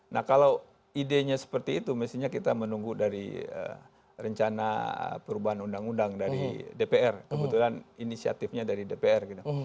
nah kalau idenya seperti itu mestinya kita menunggu dari rencana perubahan undang undang dari dpr kebetulan inisiatifnya dari dpr gitu